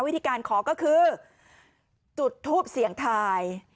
วิธีการขอก็คือจุดทูปเสี่ยงทาย